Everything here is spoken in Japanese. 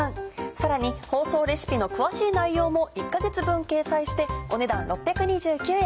さらに放送レシピの詳しい内容も１か月分掲載してお値段６２９円。